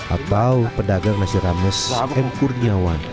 atau pedagang nasi rames m kurniawan